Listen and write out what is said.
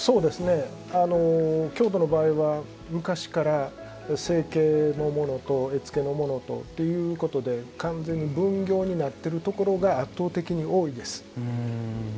京都の場合は昔から成形の者と絵付けの者とということで完全に分業になっているところが圧倒的に多いです。